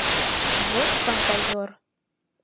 Вот фантазёр!